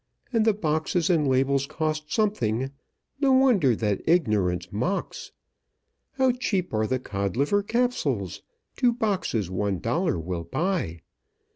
And the boxes and labels cost something No wonder that Ignorance mocks! "How cheap are the Codliver Capsules; Two boxes one dollar will buy!